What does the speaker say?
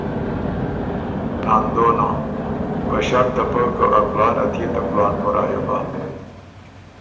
ناندونه: په ݭړط ته پۀ، که ا کُلان ات يې ته کُلان په رایه بَۀ۔